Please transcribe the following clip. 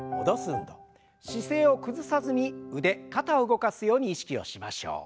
姿勢を崩さずに腕肩を動かすように意識をしましょう。